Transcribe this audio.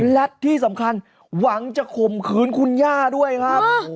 และที่สำคัญหวังจะข่มขืนคุณย่าด้วยครับ